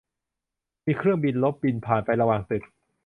มีเครื่องบินรบบินผ่านไประหว่างตึก